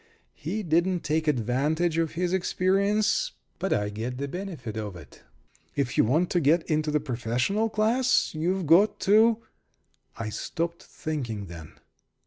He didn't take advantage of his experience, but I get the benefit of it. If you want to get into the professional class, you've got to " I stopped thinking then.